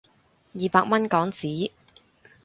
二百蚊港紙